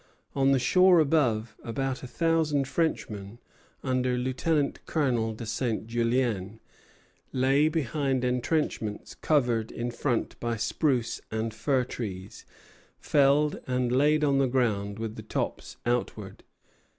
On the shore above, about a thousand Frenchmen, under Lieutenant Colonel de Saint Julien, lay behind entrenchments covered in front by spruce and fir trees, felled and laid on the ground with the tops outward.